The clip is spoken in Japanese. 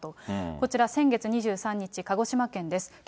こちら先月２３日、鹿児島県です。